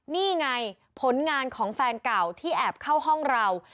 นี่ไงผลงานของแฟนเก่าที่แอบเข้าห้องเรา